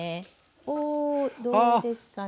おおどうですかね。